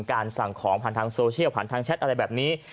สั่งของผ่านทางโซเชียลผ่านทางแชทอะไรแบบนี้